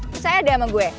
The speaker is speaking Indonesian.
percaya deh sama gue